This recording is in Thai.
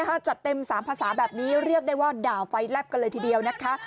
ถ้าจัดเต็ม๓ภาษาแบบนี้เรียกได้ว่าด่าไฟแลบกันเลยทีเดียวนะคะ